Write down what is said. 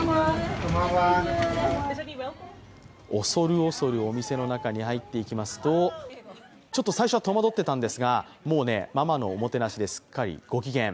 恐る恐るお店の中に入っていきますと、ちょっと最初は戸惑っていたんですが、ママのおもてなしですっかりご機嫌。